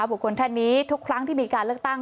ท่านนี้ทุกครั้งที่มีการเลือกตั้ง